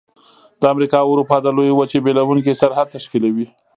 د امریکا او اروپا د لویې وچې بیلونکی سرحد تشکیلوي.